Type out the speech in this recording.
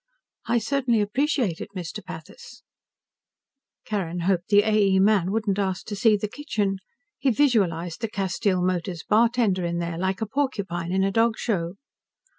"I certainly appreciate it, Mr. Pathis." Carrin hoped the A. E. man wouldn't ask to see the kitchen. He visualized the Castile Motors Bartender in there, like a porcupine in a dog show.